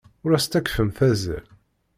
Ur as-ttakfemt azal.